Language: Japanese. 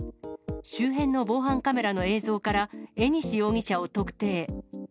周辺の防犯カメラの映像から、江西容疑者を特定。